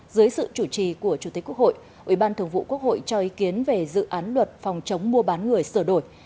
dưới sự chủ trì của chủ tịch quốc hội ủy ban thường vụ quốc hội cho ý kiến về dự án luật phòng chống mua bán người sửa đổi